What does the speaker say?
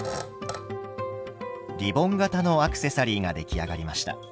リボン型のアクセサリーが出来上がりました。